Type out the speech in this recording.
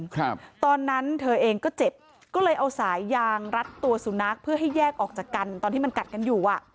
ครับตอนนั้นเธอเองก็เจ็บก็เลยเอาสายยางรัดตัวสุนัขเพื่อให้แยกออกจากกันตอนที่มันกัดกันอยู่อ่ะ